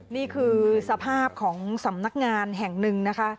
นี่คือสภาพของสำนักงานแห่งหนึ่งนะคะ